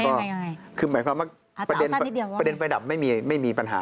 ก็คือหมายความว่าประเด็นประดับไม่มีปัญหา